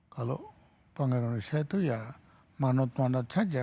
kalau bank indonesia itu ya manot manat saja